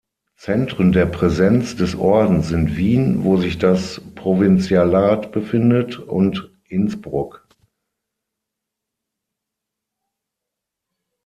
Zentren der Präsenz des Ordens sind Wien, wo sich das Provinzialat befindet, und Innsbruck.